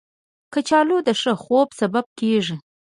کچالو د ښه خوب سبب کېږي